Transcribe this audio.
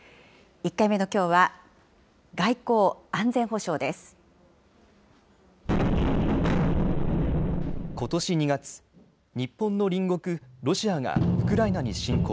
１回目のきょうは、外交・安全保ことし２月、日本の隣国、ロシアがウクライナに侵攻。